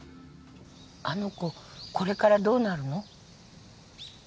あの子これからどうなるの？